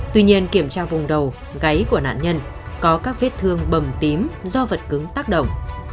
tuy nhiên kiểm tra vùng đầu gáy của nạn nhân có các vết thương bầm tím do vật cứng tác động